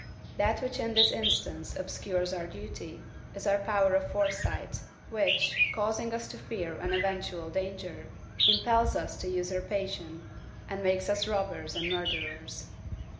That which in this instance obscures our duty is our power of foresight, which, causing us to fear an eventual danger, impels us to usurpation, and makes us robbers and murderers.